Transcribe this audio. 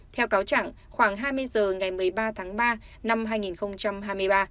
theo cáo chẳng khoảng hai mươi giờ ngày một mươi ba tháng ba năm hai nghìn hai mươi ba